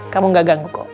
kamu nggak ganggu kok